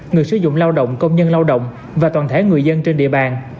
người sử dụng lao động công nhân lao động và toàn thể người dân trên địa bàn